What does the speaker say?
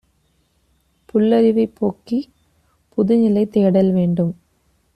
புல்லறிவைப் போக்கிப் புதுநிலைதே டல்வேண்டும்.